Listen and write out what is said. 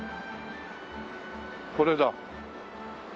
これだ。